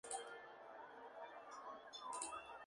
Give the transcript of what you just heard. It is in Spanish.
A continuación sólo se mencionan los protagonistas de estas.